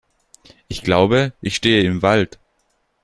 Ich glaube, ich stehe im Wald!